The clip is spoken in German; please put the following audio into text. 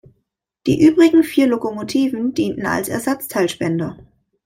Die übrigen vier Lokomotiven dienten als Ersatzteilspender.